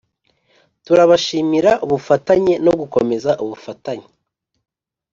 Turabashimira ubufatanye no gukomeza ubufatanye